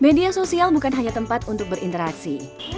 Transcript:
media sosial bukan hanya tempat untuk berinteraksi